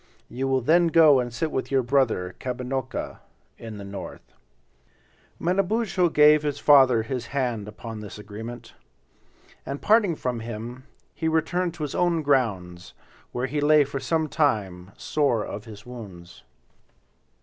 You will then go and sit with your brother, Kabinocca, in the north." Manabozho gave his father his hand upon this agreement. And parting from. him, he returned to his own grounds, where he lay for some time sore of his wounds.